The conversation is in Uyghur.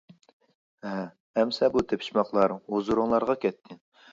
ھە ئەمىسە بۇ تېپىشماقلار ھۇزۇرۇڭلارغا كەتتى.